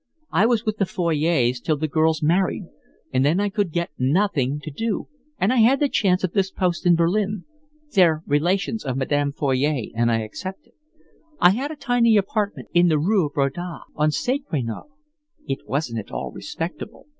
I was with the Foyots till the girls married, and then I could get nothing to do, and I had the chance of this post in Berlin. They're relations of Madame Foyot, and I accepted. I had a tiny apartment in the Rue Breda, on the cinquieme: it wasn't at all respectable.